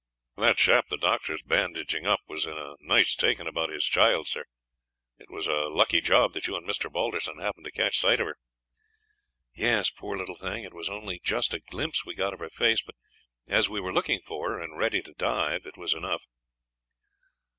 "That chap the doctor is bandaging up was in a nice taking about his child, sir; it was a lucky job that you and Mr. Balderson happened to catch sight of her." "Yes, poor little thing! It was only just a glimpse we got of her face; but as we were looking for her, and ready to dive, it was enough."